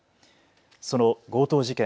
その強盗事件。